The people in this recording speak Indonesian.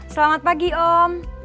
selamat pagi om